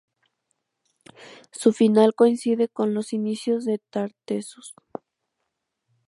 Su final coincide con los inicios de Tartessos.